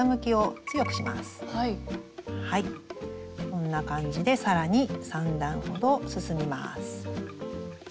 こんな感じで更に３段ほど進みます。